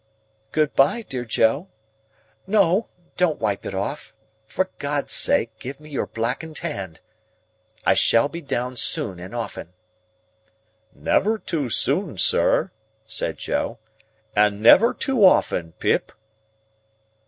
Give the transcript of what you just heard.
"Good bye, dear Joe!—No, don't wipe it off—for God's sake, give me your blackened hand!—I shall be down soon and often." "Never too soon, sir," said Joe, "and never too often, Pip!"